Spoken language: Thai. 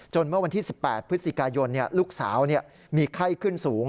เมื่อวันที่๑๘พฤศจิกายนลูกสาวมีไข้ขึ้นสูง